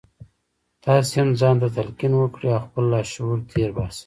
تاسې هم ځان ته تلقين وکړئ او خپل لاشعور تېر باسئ.